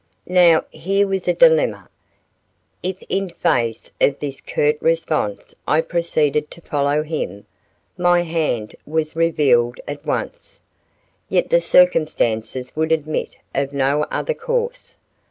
Now here was a dilemma. If in face of this curt response I proceeded to follow him, my hand was revealed at once; yet the circumstances would admit of no other course.